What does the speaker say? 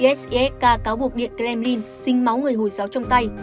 jifka cáo buộc điện kremlin dính máu người hồi giáo trong tay